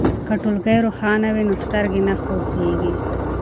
که ټولګی روښانه وي نو سترګې نه خوږیږي.